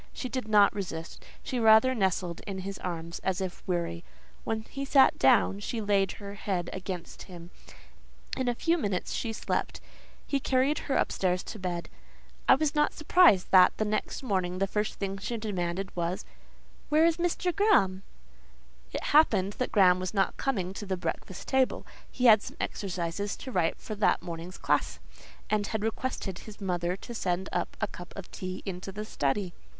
She did not resist: she rather nestled in his arms, as if weary. When he sat down, she laid her head against him; in a few minutes she slept; he carried her upstairs to bed. I was not surprised that, the next morning, the first thing she demanded was, "Where is Mr. Graham?" It happened that Graham was not coming to the breakfast table; he had some exercises to write for that morning's class, and had requested his mother to send a cup of tea into the study.